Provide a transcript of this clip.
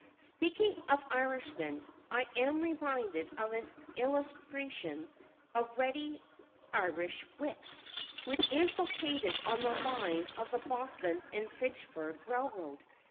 Speaking of Irishmen, I am reminded of an illustration of ready Irish wit, which is located on the line of the Boston and Fitchburg Railroad.